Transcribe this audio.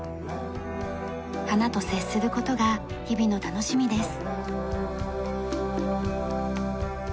花と接する事が日々の楽しみです。